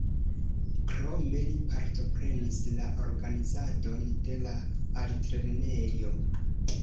Krome li partoprenis la organizadon de la altlernejo.